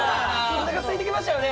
おなかすいてきましたよね。